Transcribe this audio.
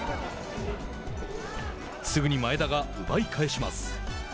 すぐに前田が奪い返します。